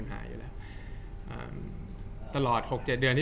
จากความไม่เข้าจันทร์ของผู้ใหญ่ของพ่อกับแม่